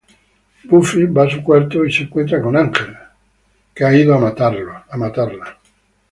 Buffy va a su cuarto y se encuentra con Ángel, que ido a matarla.